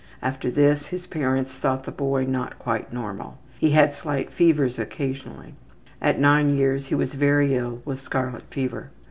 After this his parents thought the boy not quite normal. He had slight fevers occasionally. At 9 years he was very ill with scarlet fever.